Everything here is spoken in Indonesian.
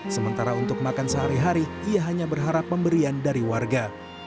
sementara untuk makan sehari hari ia hanya berharap pemberian dari warga